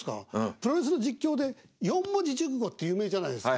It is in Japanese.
プロレスの実況で四文字熟語って有名じゃないですか。